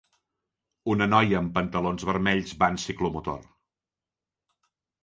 una noia amb pantalons vermells va en ciclomotor.